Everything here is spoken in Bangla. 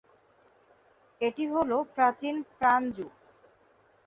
এটি হল প্রাচীন প্রাণ যুগ।